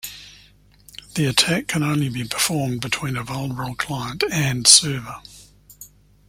The attack can only be performed between a vulnerable client "and" server.